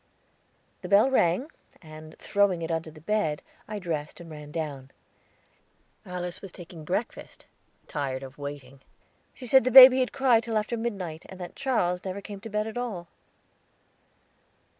The bell rang, and, throwing it under the bed, I dressed and ran down. Alice was taking breakfast, tired of waiting. She said the baby had cried till after midnight, and that Charles never came to bed at all.